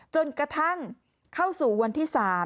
จนกระทั่งเข้าสู่วันที่๓